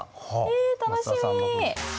え楽しみ！